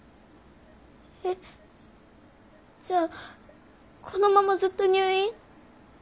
えっじゃあこのままずっと入院？